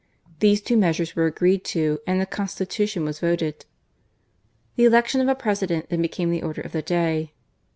These two measures were agreed to, and the Constitution was voted. io8 GARCIA MORENO. The election of a President then became the order of the day.